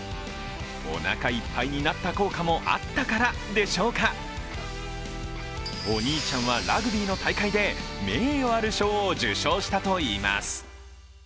おなかいっぱいになった効果もあったからでしょうか、お兄ちゃんはラグビーの大会で名誉ある賞を受賞したといいます。